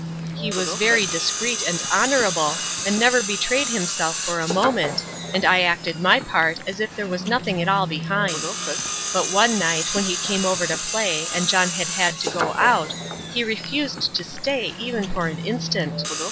He was very discreet and honourable, and never betrayed himself for a moment, and I acted my part as if there was nothing at all behind. But one night, when he came over to play and John had had to go out, he refused to stay even for an instant.